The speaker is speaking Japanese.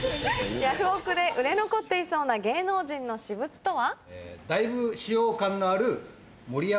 ヤフオクで売れ残っていそうな芸能人の私物とは？